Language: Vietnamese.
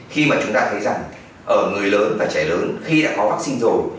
khi mà chúng ta thấy rằng ở người lớn và trẻ lớn khi đã có vắc xin rồi